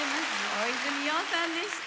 大泉洋さんでした。